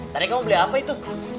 tadi kamu beli apa itu